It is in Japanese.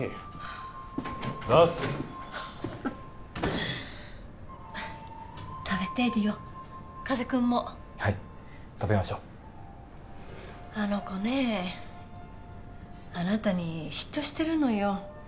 あざっす食べて梨央加瀬君もはい食べましょうあの子ねえあなたに嫉妬してるのよ